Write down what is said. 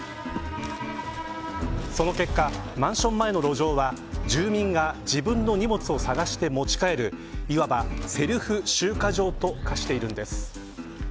その結果、マンション前の路上は住民が自分の荷物を探して持ち帰るいわば、セルフ集荷場と化しているんです。